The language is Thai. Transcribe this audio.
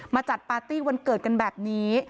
จัดปาร์ตี้วันเกิดกันแบบนี้